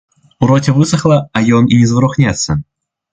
У роце высахла, а ён і не зварухнецца.